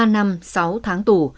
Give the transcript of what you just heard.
ba năm sáu tháng tù